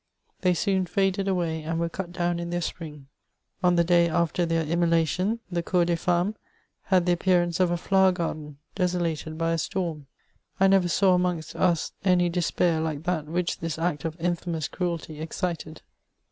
They soon faded away, and were cut down in their spring ; on uie day after their immolation, the Cour des femmes had the appearance of a flower garden desolated by a storm. I never saw amongst us any despair like that which this act of infamous cruelty excited.''